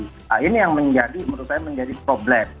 nah ini yang menurut saya menjadi problem